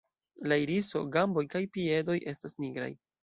La iriso, gamboj kaj piedoj estas nigraj.